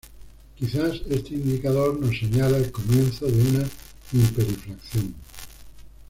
Quizás este indicador nos señala el comienzo de una hiperinflación.